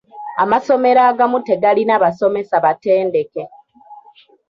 Amasomero agamu tegalina basomesa batendeke.